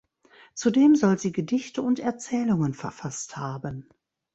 Zudem soll sie Gedichte und Erzählungen verfasst haben.